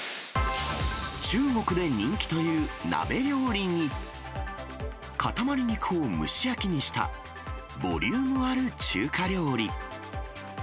中国で人気という鍋料理に、塊肉を蒸し焼きにした、ボリュームある中華料理。